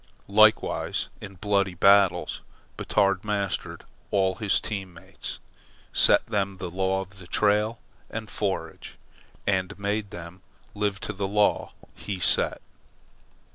Likewise, in bloody battles, Batard mastered all his team mates, set them the law of trail and forage, and made them live to the law he set.